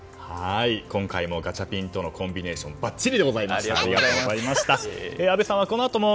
今回もガチャピンとのコンビネーションがばっちりでございました。